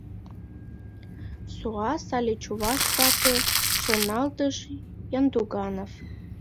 «Суас але чуваш вате, — шоналтыш Яндуганов.